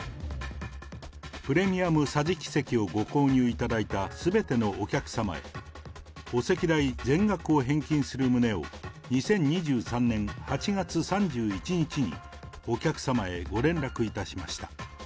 プレミアム桟敷席をご購入いただいたすべてのお客様へ、お席代全額を返金する旨を、２０２３年８月３１日に、お客様へご連絡いたしました。